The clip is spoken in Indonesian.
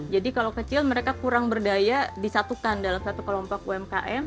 jadi kalau kecil mereka kurang berdaya disatukan dalam satu kelompok umkm